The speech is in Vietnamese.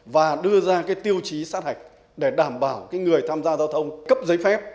và đưa ra cái tiêu chí sát hạch để đảm bảo người tham gia giao thông cấp giấy phép